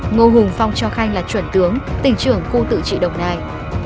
ngô hùng phong cho khanh là chuẩn tướng tỉnh trưởng khu tự trị đồng nai